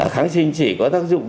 kháng sinh chỉ có tác dụng